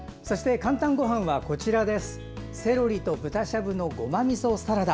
「かんたんごはん」はセロリと豚しゃぶのごまみそサラダ。